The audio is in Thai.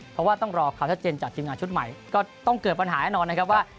เพราะว่าต้องรอความชัดเจนจากทีมงานชุดใหม่ก็ต้องเกิดปัญหาแน่นอนนะครับว่า